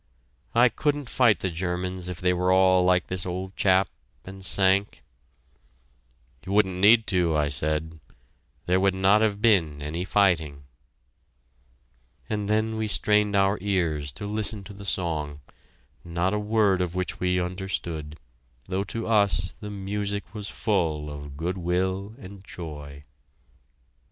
I couldn't fight the Germans if they were all like this old chap and Sank!" "You wouldn't need to," I said. "There would not have been any fighting." And then we strained our ears to listen to the song, not a word of which we understood, though to us the music was full of good will and joy.